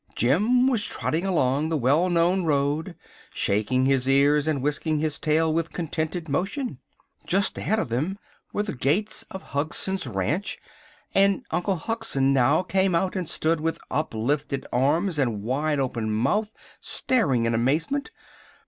Jim was trotting along the well known road, shaking his ears and whisking his tail with a contented motion. Just ahead of them were the gates of Hugson's Ranch, and Uncle Hugson now came out and stood with uplifted arms and wide open mouth, staring in amazement.